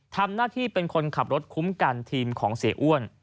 ทำหน้าที่เป็นคนขับรถคุ้มกันทีมของเสียอ้วน